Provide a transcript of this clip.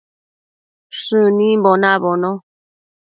Shënimbo nabono